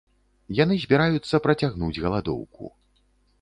Яны збіраюцца працягнуць галадоўку.